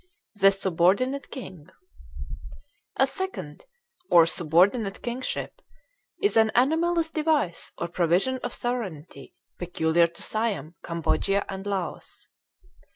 THE SUBORDINATE KING A second or subordinate kingship is an anomalous device or provision of sovereignty peculiar to Siam, Cambodia, and Laos.